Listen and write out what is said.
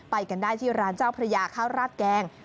ไปกันได้ที่ร้านเจ้าพระยาข้าวราดแกง